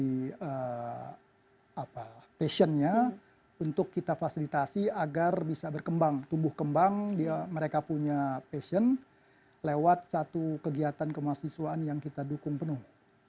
passionnya untuk kita fasilitasi agar bisa berkembang tumbuh kembang mereka punya passion lewat satu kegiatan kemahasiswaan yang kita dukung penuh